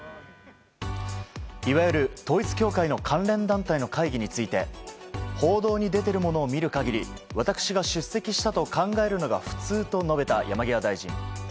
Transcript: いわゆる統一教会の関連団体の会議について報道に出てるものを見る限り私が出席したと考えるのが普通と述べた山際大臣。